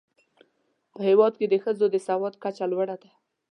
په هېواد کې د ښځو د سواد کچه لوړه ده.